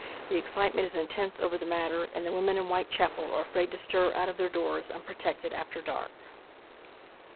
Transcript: The excitement is intense over the matter, and the women in Whitechapel are afraid to stir out of their doors unprotected after dark.